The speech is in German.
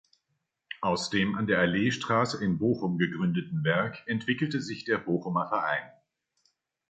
Aus dem an der Alleestraße in Bochum gegründeten Werk entwickelte sich der Bochumer Verein.